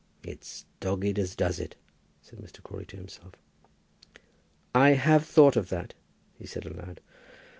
"It's dogged as does it," said Mr. Crawley to himself. "I have thought of that," he said aloud.